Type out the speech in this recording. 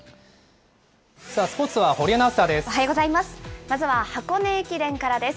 スポーツは堀アナウンサーです。